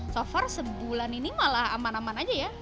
so far sebulan ini malah aman aman aja ya